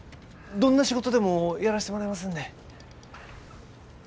どんな仕事でもやらしてもらいますんで。